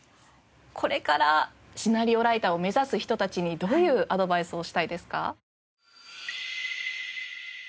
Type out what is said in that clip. これからシナリオライターを目指す人たちにどういうアドバイスをしたいですか？